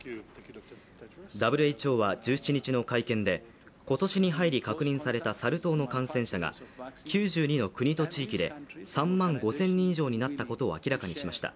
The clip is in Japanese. ＷＨＯは１７日の会見で、今年に入り確認されたサル痘の感染者が９２の国と地域で３万５０００人以上になったことを明らかにしました。